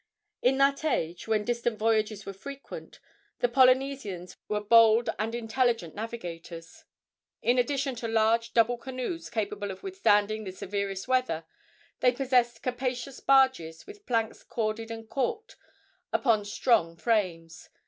In that age, when distant voyages were frequent, the Polynesians were bold and intelligent navigators. In addition to large double canoes capable of withstanding the severest weather, they possessed capacious barges, with planks corded and calked upon strong frames.